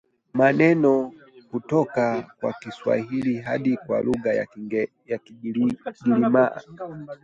maneno kutoka kwa Kiswahili hadi kwa lugha ya Kigiriama